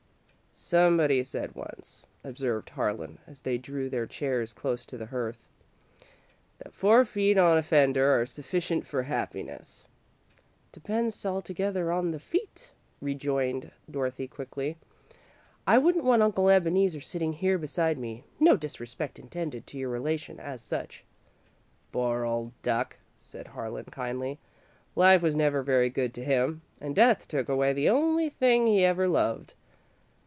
"Somebody said once," observed Harlan, as they drew their chairs close to the hearth, "that four feet on a fender are sufficient for happiness." "Depends altogether on the feet," rejoined Dorothy, quickly. "I wouldn't want Uncle Ebeneezer sitting here beside me no disrespect intended to your relation, as such." "Poor old duck," said Harlan, kindly. "Life was never very good to him, and Death took away the only thing he ever loved.